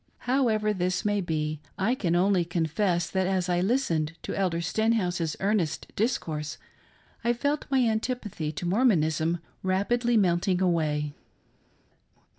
However this may be, I can only confess that as I listened to Elder Sten house's earnest discourse, I felt my antipathy to Mormonism rapidly melting away.